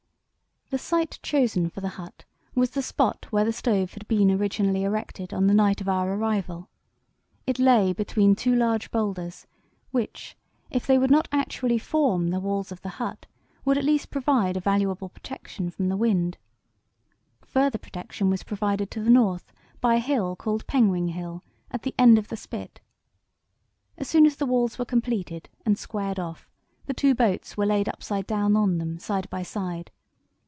"The site chosen for the hut was the spot where the stove had been originally erected on the night of our arrival. It lay between two large boulders, which, if they would not actually form the walls of the hut, would at least provide a valuable protection from the wind. Further protection was provided to the north by a hill called Penguin Hill at the end of the spit. As soon as the walls were completed and squared off, the two boats were laid upside down on them side by side.